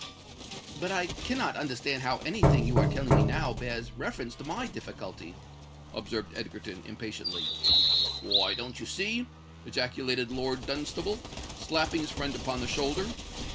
"But I cannot understand how any thing you are now telling me bears reference to my difficulty," observed Egerton, impatiently. "Why—don't you see!" ejaculated Lord Dunstable, slapping his friend upon the shoulder.